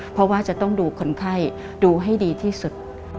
เพราะว่าจะต้องดูคนไข้ดูให้ดีที่สุด